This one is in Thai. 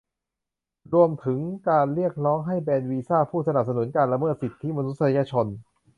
รวมถึงการเรียกร้องให้แบนวีซ่าผู้สนับสนุนการละเมิดสิทธิมนุษยชน